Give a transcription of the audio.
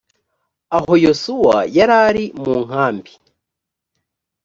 ahoyosuwa yari ari mu nkambi